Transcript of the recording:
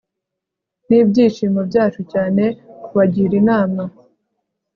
Nibyishimo byacu cyane kubagira inama